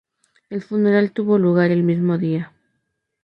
El funeral tuvo lugar el mismo día.